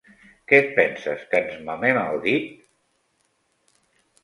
Què et penses, que ens mamem el dit?